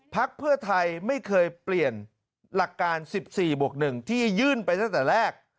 พักเพื่อไทยไม่เคยเปลี่ยนหลักการ๑๔บวก๑ที่ยื่นไปตั้งแต่แรก